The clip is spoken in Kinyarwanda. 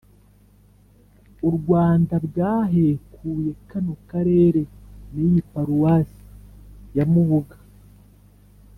u rwanda, bwahekuye kano karere n’iyi paruwasi ya mubuga